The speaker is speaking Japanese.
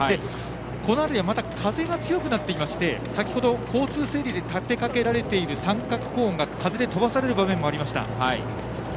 この辺り風が強くなっていまして先ほど、交通整理で立てかけられている三角コーンが風で飛ばされる場面もありました。